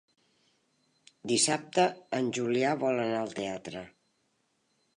Dissabte en Julià vol anar al teatre.